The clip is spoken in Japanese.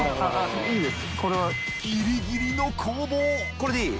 これでいい？